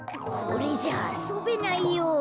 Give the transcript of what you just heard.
これじゃあそべないよ。